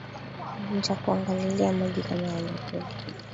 Nitakuangalilia maji kama yamerudi